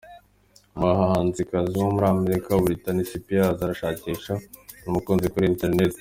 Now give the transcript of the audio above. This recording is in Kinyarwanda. Umuhanzikazi wo muri amerika buritini sipiyaz arashakisha umukunzi kuri internet